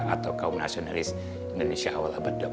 atau kaum nasionalis indonesia awal abad dua puluh